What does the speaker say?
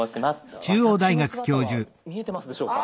私の姿は見えてますでしょうか？